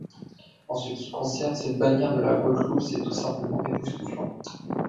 En ce qui concerne cette banière de la Guadeloupe c’est tout simplement époustouflant!